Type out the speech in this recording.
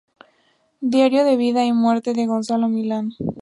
Diario de vida y de muerte" de Gonzalo Millán.